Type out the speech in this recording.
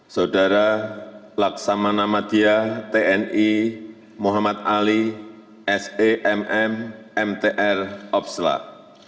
saudara laksamana madia tni muhammad ali semm mtr opslat